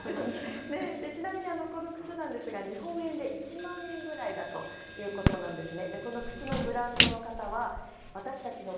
ちなみにこの靴ですが日本円で１万円くらいということなんですね。